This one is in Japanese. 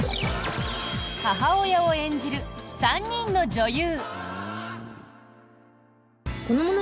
母親を演じる３人の女優。